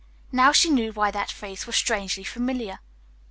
Now she knew why that face was strangely familiar.